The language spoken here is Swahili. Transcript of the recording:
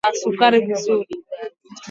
Koroga siagi na sukari vizuri